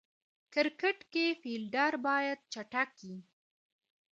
کرکټ کښي فېلډر باید چټک يي.